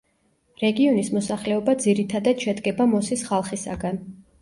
რეგიონის მოსახლეობა ძირითადად შედგება მოსის ხალხისაგან.